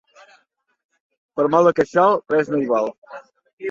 Pel mal de queixal, res no hi val.